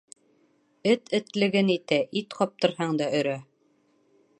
Эт этлеген итә: ит ҡаптырһаң да өрә.